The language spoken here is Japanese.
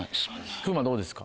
風磨どうですか？